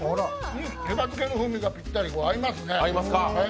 しば漬けの風味がぴったり合いますね！